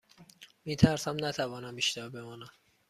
می ترسم نتوانم بیشتر بمانم.